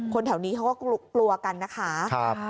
แถวนี้เขาก็กลัวกันนะคะ